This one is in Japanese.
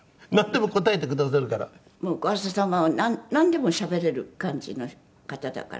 もう小朝様はなんでもしゃべれる感じの方だから。